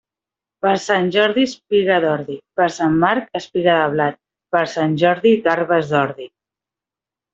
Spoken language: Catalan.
Per Sant Jordi, espiga d'ordi; per Sant Marc, espiga de blat; per Sant Jordi, garbes d'ordi.